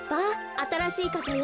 あたらしいかさよ。